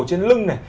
trên lưng này